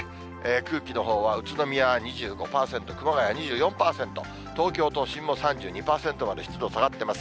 空気のほうは宇都宮は２５％、熊谷２４％、東京都心も３２％まで湿度下がってます。